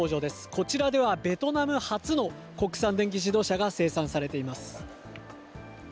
こちらでは、ベトナム初の国産電気自動車が生産されています。